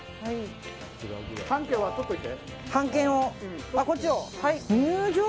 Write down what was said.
半券はとっておいて。